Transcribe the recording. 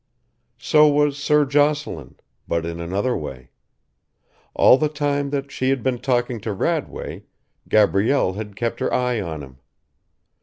So was Sir Jocelyn but in another way. All the time that she had been talking to Radway Gabrielle had kept her eye on him.